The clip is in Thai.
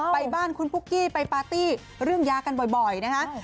ไปบ้านคุณปุ๊กกี้ไปปาร์ตี้เรื่องยากันบ่อยนะคะ